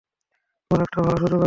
তোমার একটা ভাল সুযোগ আছে!